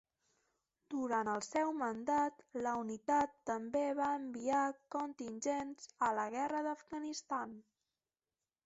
Durant el seu mandat la Unitat també va enviar contingents a la Guerra d'Afganistan.